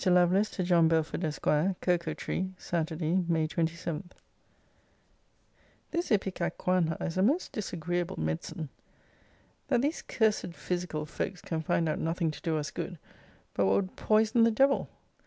LOVELACE, TO JOHN BELFORD, ESQ. COCOA TREE, SATURDAY, MAY 27. This ipecacuanha is a most disagreeable medicine. That these cursed physical folks can find out nothing to do us good, but what would poison the devil!